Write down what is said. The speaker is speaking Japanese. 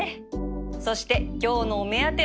そして今日のお目当ては